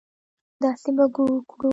داسې به وکړو.